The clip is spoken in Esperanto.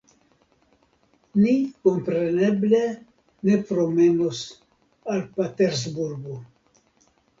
Ni kompreneble ne promenos al Patersburgo.